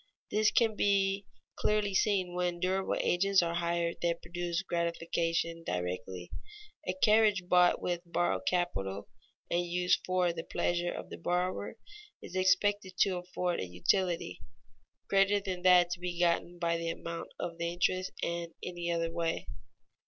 _ This can be clearly seen when durable agents are hired that produce gratification directly. A carriage bought with borrowed capital and used for the pleasure of the borrower is expected to afford a utility greater than that to be gotten by the amount of the interest in any other way.